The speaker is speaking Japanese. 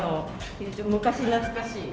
昔懐かしい。